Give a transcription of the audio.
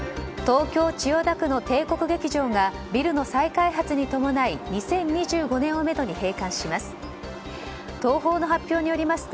東京・千代田区の帝国劇場がビルの再開発に伴い２０２５年をめどに閉館します。